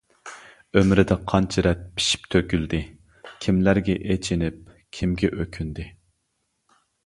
ئۆمرىدە قانچە رەت پىشىپ تۆكۈلدى، كىملەرگە ئېچىنىپ، كىمگە ئۆكۈندى.